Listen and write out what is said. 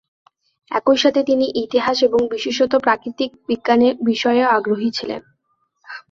একই সাথে তিনি ইতিহাস এবং বিশেষত প্রাকৃতিক বিজ্ঞানের বিষয়েও আগ্রহী ছিলেন।